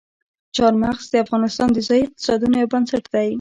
چار مغز د افغانستان د ځایي اقتصادونو یو بنسټ دی.